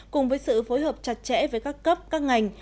cùng với sự phối hợp chặt chẽ với các cấp các ngành